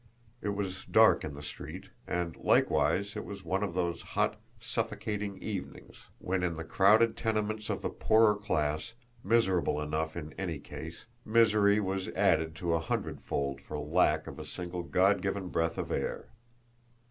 It was dark in the street; and, likewise, it was one of those hot, suffocating evenings when, in the crowded tenements of the poorer class, miserable enough in any case, misery was added to a hundredfold for lack of a single God given breath of air.